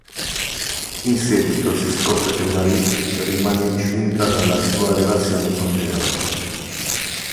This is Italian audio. In seguito si scopre che Marie rimane incinta dalla sua relazione con Georg.